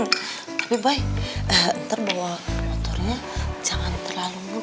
tapi boy nanti bawa motornya jangan terlalu ngebut